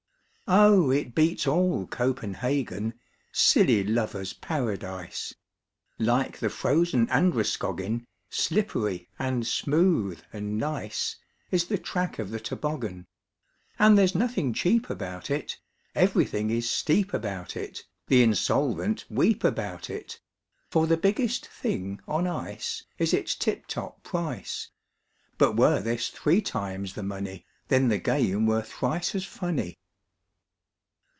Oh, it beats all "Copenhagen," Silly lovers' paradise! Like the frozen Androscoggin, Slippery, and smooth, and nice, Is the track of the toboggan; And there's nothing cheap about it, Everything is steep about it, The insolvent weep about it, For the biggest thing on ice Is its tip top price; But were this three times the money, Then the game were thrice as funny.